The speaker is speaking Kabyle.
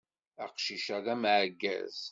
Aqcic-a d ameɛgaz.